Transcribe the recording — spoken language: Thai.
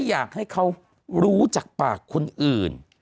อยากให้เขารู้จากปากคนอื่น